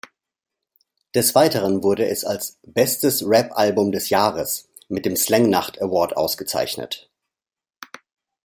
Des Weiteren wurde es als „Bestes Rap Album des Jahres“ mit dem Slangnacht-Award ausgezeichnet.